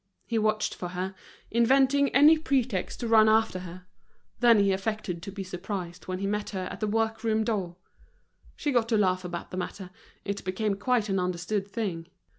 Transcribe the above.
He watched for her, inventing any pretext to run after her; then he affected to be surprised when he met her at the work room door. She got to laugh about the matter, it became quite an understood thing.